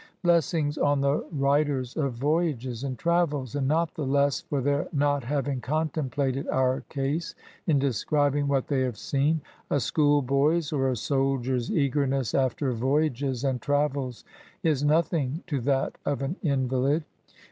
Blessings on the writers of voyages and travels; and not the less for their not having contemplated our case in describing what they have seen ! A school boy's or a soldier's eagerness after voyages and travels is nothing to that of an invalid.